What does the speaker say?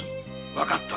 わかった。